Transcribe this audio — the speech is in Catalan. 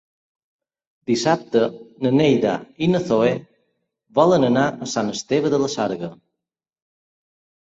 Dissabte na Neida i na Zoè volen anar a Sant Esteve de la Sarga.